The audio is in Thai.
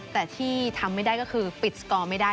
แต่ที่ทำไม่ได้ก็คือปิดสกอร์ไม่ได้